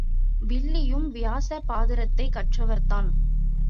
வில்லியும் வியாச பாரதத்தைக் கற்றவர்தான்.